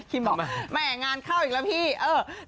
คิมบอกแหมงานเข้าอีกแล้วพี่เออมา